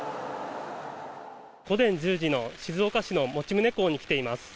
午前１０時の静岡市の港に来ています。